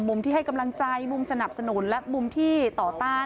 ที่ให้กำลังใจมุมสนับสนุนและมุมที่ต่อต้าน